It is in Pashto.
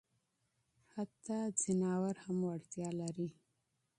حتی حیوانات هم وړتیا لري.